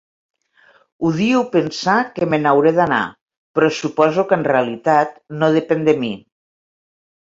Odio pensar que me n'hauré d'anar, però suposo que en realitat no depèn de mi.